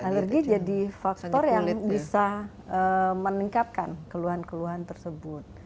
alergi jadi faktor yang bisa meningkatkan keluhan keluhan tersebut